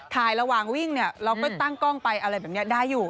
ถ่ายระหว่างวิ่งเนี่ยเราก็ตั้งกล้องไปอะไรแบบนี้ได้อยู่